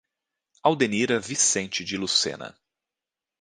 Audenira Vicente de Lucena